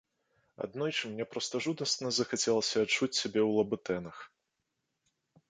Аднойчы мне проста жудасна захацелася адчуць сябе ў лабутэнах.